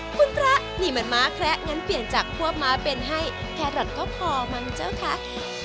คุณพระนี่มันม้าแคระงั้นเปลี่ยนจากพวกม้าเป็นให้แครอทก็พอมั้งเจ้าคะ